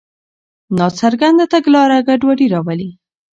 ناڅرګنده تګلاره ګډوډي راولي.